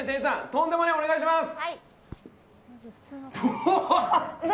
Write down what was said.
とんでもねぇお願いします！